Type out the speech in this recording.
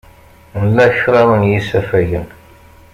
Nla kraḍ n yisafagen.